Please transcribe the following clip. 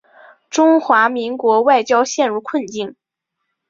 中华民国外交陷入困境。